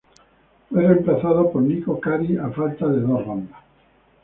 Fue reemplazado por Niko Kari a falta de dos rondas.